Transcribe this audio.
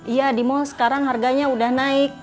iya di mall sekarang harganya udah naik